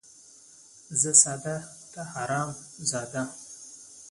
ـ زه ساده ،ته حرام زاده.